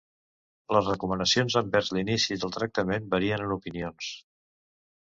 Les recomanacions envers l'inici del tractament varien en opinions.